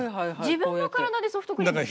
自分の体でソフトクリームですか？